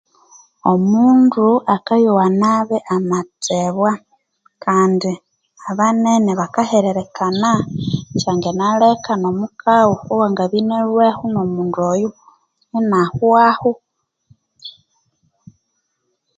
Omundu akayowa nabi amathebwa kandi abanene baka hiririkana kya nginaleka no mukaghu owangabya inalhweho no mundu Oyo inahwahu